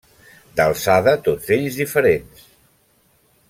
D'alçada tots ells diferents.